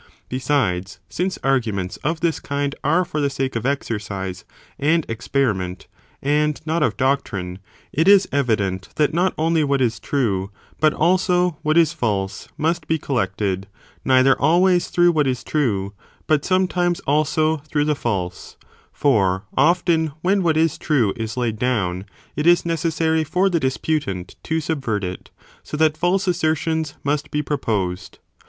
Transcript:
Besides, since arguments of this kind are for the sake of exercise and experiment, and not of doctrine, it.is evident that not only what is true, but also what is false, must be collected, neither always through what is true, but sometimes also through the false, for often when what is true is laid down, it is necessary for the disputant to subvert it, so that false assertions must be proposed.